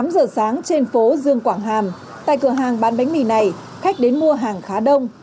tám giờ sáng trên phố dương quảng hàm tại cửa hàng bán bánh mì này khách đến mua hàng khá đông